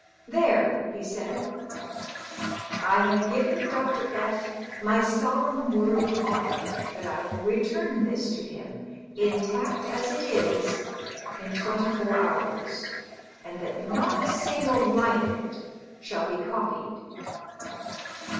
" There," he said. " I have given Dr. F my solemn word of honor that I will return this to him, intact as it is, in twenty four hours, and that not a single line of it shall be copied."